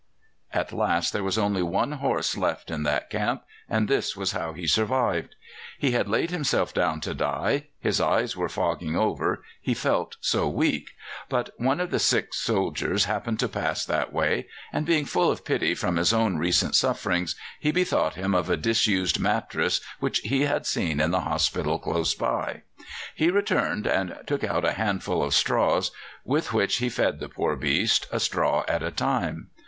At last there was only one horse left in that camp, and this was how he survived: He had laid himself down to die; his eyes were fogging over, he felt so weak; but one of the sick soldiers happened to pass that way, and being full of pity from his own recent sufferings, he bethought him of a disused mattress which he had seen in the hospital close by. He returned and took out a handful of straws, with which he fed the poor beast, a straw at a time.